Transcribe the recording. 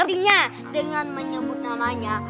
artinya dengan menyebut namanya